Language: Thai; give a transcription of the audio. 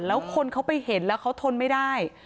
แล้วคนเขาไปเห็นแล้วเขาทนไม่ได้